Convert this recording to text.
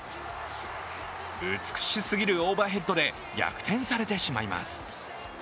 美しすぎるオーバーヘッドで逆転されてしまいます。